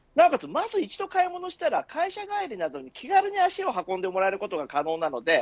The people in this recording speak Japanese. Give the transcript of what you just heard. まず一度買い物したら会社帰りなどに気軽に足を運んでもらえることが可能です。